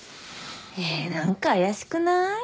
え何か怪しくない？